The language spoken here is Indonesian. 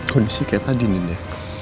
kondisi kaya tadi din ya